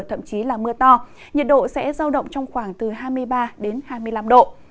thậm chí là mưa to nhiệt độ sẽ giao động trong khoảng từ hai mươi ba đến hai mươi năm độ